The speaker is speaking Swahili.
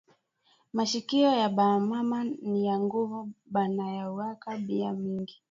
Mashikiyo ya ba mama ni ya nguvu, banayuwaka bia mingi